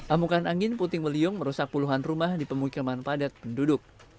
amukan angin puting beliung merusak puluhan rumah di pemukiman padat penduduk